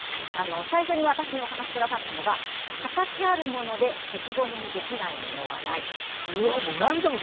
最初に私にお話しくださったのが形あるもので消しゴムにできないものはない。